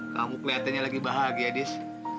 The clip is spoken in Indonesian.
kamu kelihatannya lagi bahagia dis